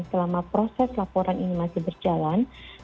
selama proses laporan ini masih berjalan